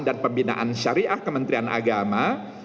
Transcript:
dan pembinaan syariah kementerian agama